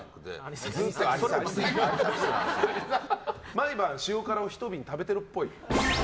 毎晩、塩辛を１瓶食べているっぽい。